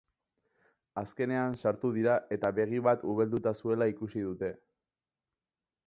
Azkenean sartu dira eta begi bat ubelduta zuela ikusi dute.